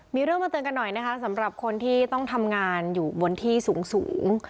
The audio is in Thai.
มีเรื่องมาเตือนกันหน่อยนะคะสำหรับคนที่ต้องทำงานอยู่บนที่สูง